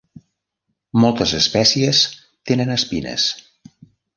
Moltes espècies tenen espines.